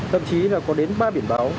thậm chí là có đến ba biển báo